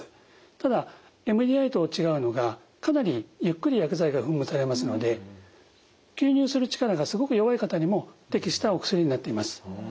ただＭＤＩと違うのがかなりゆっくり薬剤が噴霧されますので吸入する力がすごく弱い方にも適したお薬になっています。